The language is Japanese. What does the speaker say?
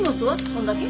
そんだけ？